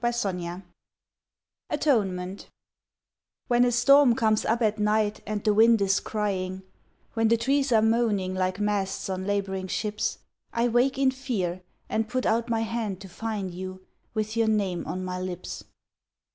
[IS] Vigils ATONEMENT When a storm comes up at night and the wind is crying, When the trees are moaning like masts on labor ing ships, I wake in fear and put out my hand to find you With your name on my lips.